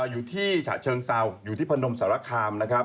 อยู่ที่ฉ่าเชิงเซาอยู่ที่พนมสารคาร์ม